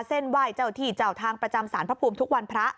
เส้นไหว้เจ้าที่เจ้าทางประจำสารพระภูมิทุกวันพระ